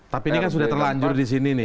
tapi ini kan sudah terlanjur di sini nih